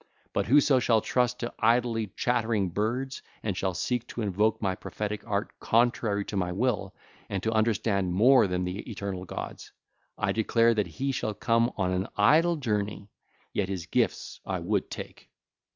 But whoso shall trust to idly chattering birds and shall seek to invoke my prophetic art contrary to my will, and to understand more than the eternal gods, I declare that he shall come on an idle journey; yet his gifts I would take.